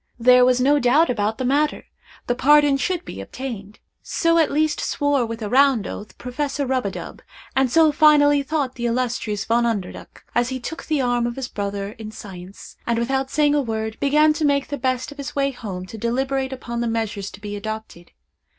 There was no doubt about the matter—the pardon should be obtained. So at least swore, with a round oath, Professor Rub a dub, and so finally thought the illustrious Von Underduk, as he took the arm of his brother in science, and without saying a word, began to make the best of his way home to deliberate upon the measures to be adopted.